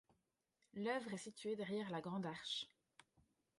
L'œuvre est située derrière la Grande Arche.